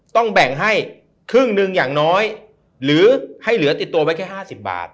ต้องแบ่งให้ครึ่งหนึ่งอย่างน้อยหรือให้เหลือติดตัวไว้แค่๕๐บาท